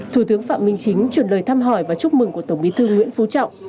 thủ tướng phạm minh chính chuyển lời thăm hỏi và chúc mừng của tổng bí thư nguyễn phú trọng